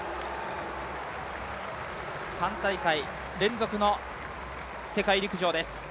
３大会連続の世界陸上です。